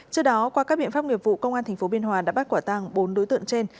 trước đó qua các biện pháp nghiệp vụ công an tp biên hòa đã bắt quả tăng bốn đối tượng trên